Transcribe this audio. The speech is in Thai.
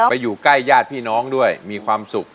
ไปอยู่ใกล้ญาติพี่น้องด้วยมีความสุข